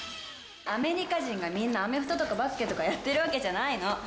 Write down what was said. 「アメリカ人がみんなアメフトとかバスケとかやってるわけじゃないの」